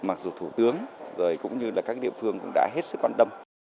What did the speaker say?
mặc dù thủ tướng rồi cũng như các địa phương cũng đã hết sức quan tâm